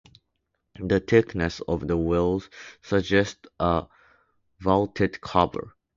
The thickness of the walls suggests a vaulted cover.